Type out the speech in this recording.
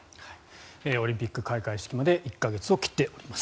オリンピック開会式まで１か月を切っております。